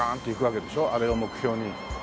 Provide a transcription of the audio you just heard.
あれを目標に。